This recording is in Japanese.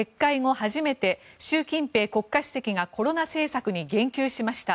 初めて習近平国家主席がコロナ政策に言及しました。